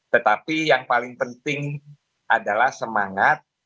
tetapi yang paling penting adalah semangat